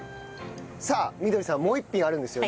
さあみどりさんもう一品あるんですよね。